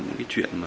những cái chuyện mà